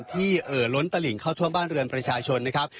เอ่อล้นตลิ่งเข้าท่วมบ้านเรือนประชาชนนะครับ